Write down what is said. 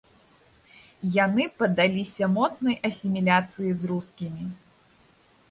Яны паддаліся моцнай асіміляцыі з рускімі.